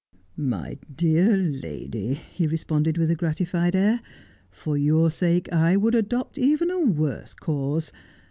' My dear lady,' he responded with a gratified air, ' for your sake I would adopt even a worse cause.